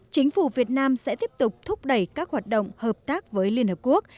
chính phủ việt nam sẽ tiếp tục thúc đẩy các hoạt động hợp tác với liên hợp quốc